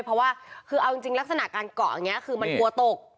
เพราะว่าคือเอาจริงลักษณะการเกาะอย่างนี้คือมันกลัวตก